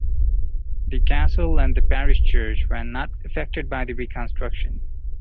The castle and the parish church were not affected by the reconstruction.